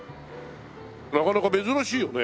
なかなか珍しいよね。